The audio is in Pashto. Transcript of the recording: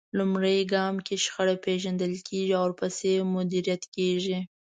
لومړی ګام کې شخړه پېژندل کېږي او ورپسې مديريت کېږي.